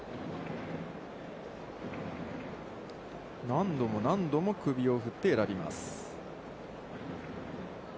何度も何度も首を振って選びます。